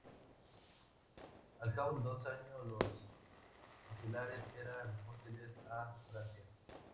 Al cabo de dos años los insulares eren hostiles a Francia.